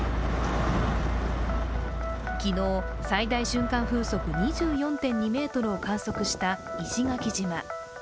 昨日、最大瞬間風速２４．２メートルを観測した石垣島。